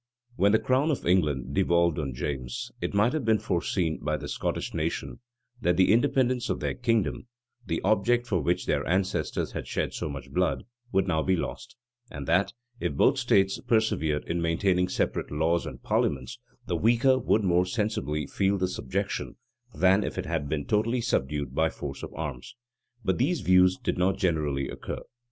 } When the crown of England devolved on James, it might have been foreseen by the Scottish nation, that the independence of their kingdom, the object for which their ancestors had shed so much blood, would now be lost; and that, if both states persevered in maintaining separate laws and parliaments, the weaker would more sensibly feel the subjection, than if it had been totally subdued by force of arms. But these views did not generally occur.